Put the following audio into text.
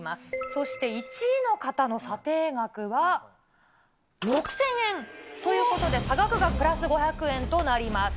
そして１位の方の査定額は、６０００円ということで、差額がプラス５００円となります。